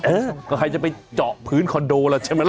เออก็ใครจะไปเจาะพื้นคอนโดแล้วใช่ไหมล่ะ